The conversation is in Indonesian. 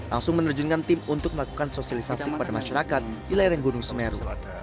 langsung menerjunkan tim untuk melakukan sosialisasi kepada masyarakat di lereng gunung semeru